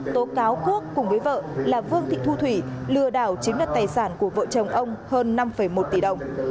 tố cáo quốc cùng với vợ là vương thị thu thủy lừa đảo chiếm đất tài sản của vợ chồng ông hơn năm một tỷ đồng